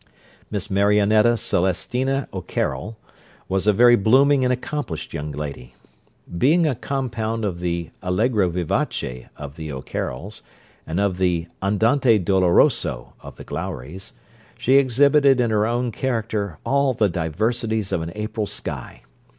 Miss Marionetta Celestina O'Carroll was a very blooming and accomplished young lady. Being a compound of the Allegro Vivace of the O'Carrolls, and of the Andante Doloroso of the Glowries, she exhibited in her own character all the diversities of an April sky.